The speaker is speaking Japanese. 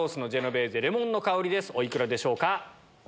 お幾らでしょうか？